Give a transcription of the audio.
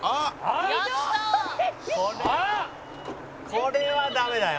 「これはダメだよ」